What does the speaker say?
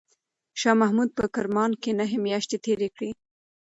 شاه محمود په کرمان کې نهه میاشتې تېرې کړې.